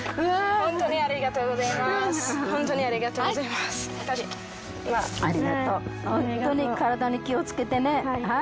ホントに体に気をつけてね。